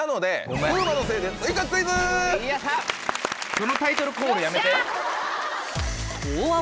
そのタイトルコールやめて。